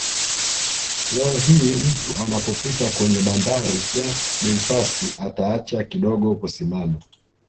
Leo hii mtu anapopita kwenye bandari ya Belfast hataacha kidigo kusimama